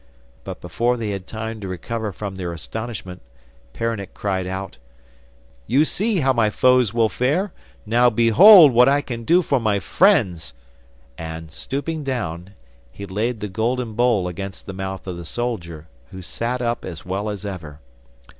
But before they had time to recover from their astonishment, Peronnik cried out: 'You see how my foes will fare; now behold what I can do for my friends,' and, stooping down, he laid the golden bowl against the mouth of the soldier, who sat up as well as ever.